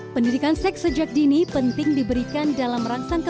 pendidikan seks sejak dini penting diberikan dalam rangka